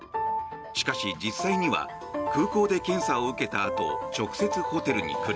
しかし、実際には空港で検査を受けたあと直接ホテルに来る。